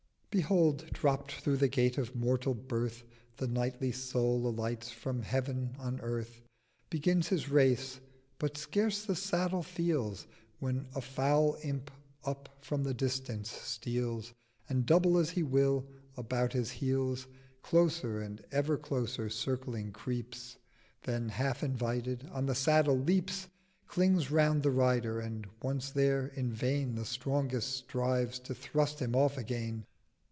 'Behold, dropt through the Gate of Mortal Birth, The Knightly Soul alights from Heav'n on Earth; Begins his Race, but scarce the Saddle feels, 910 When a foul Imp up from the distance steals, And, double as he will, about his Heels Closer and ever closer circling creeps, Then, half invited, on the Saddle leaps, Clings round the Rider, and, once there, in vain The strongest strives to thrust him off again.